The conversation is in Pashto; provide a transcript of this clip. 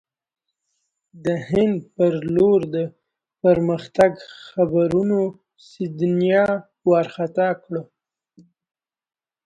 د هند پر لور د پرمختګ خبرونو سیندیا وارخطا کړ.